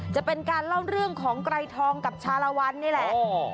จะเป็นการเล่าเรื่องของไกรทองกับชาลวันนี่แหละ